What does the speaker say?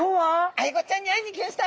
アイゴちゃんに会いに来ました！